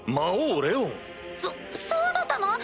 そそうだったの？